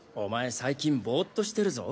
最近ボーッとしてるぞ。